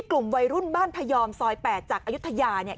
กลุ่มหนึ่งก็คือ